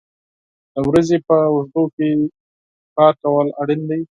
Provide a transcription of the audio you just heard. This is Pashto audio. د ورځې په اوږدو کې کار کول اړین دي.